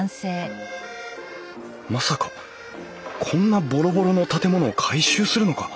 まさかこんなボロボロの建物を改修するのか？